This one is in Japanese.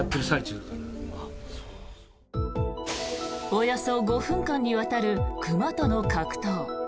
およそ５分間にわたる熊との格闘。